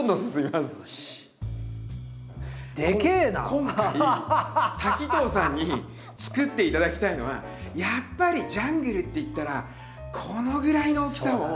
今回滝藤さんにつくって頂きたいのはやっぱりジャングルっていったらこのぐらいの大きさを。